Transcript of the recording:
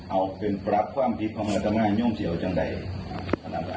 เอาเป็นปรับความผิดของอาจารย์นิวเจียวจังไงนั่นแหละอ้าว